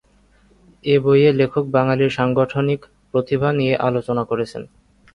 এ বইয়ে লেখক বাঙালির সাংগঠনিক প্রতিভা নিয়ে আলোচনা করেছেন।